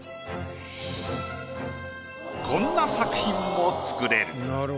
こんな作品も作れる。